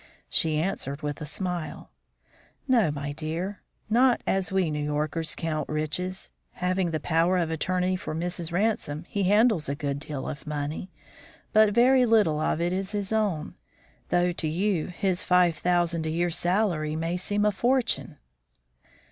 She answered, with a smile: "No, my dear, not as we New Yorkers count riches. Having the power of attorney for Mrs. Ransome, he handles a good deal of money; but very little of it is his own, though to you his five thousand a year salary may seem a fortune."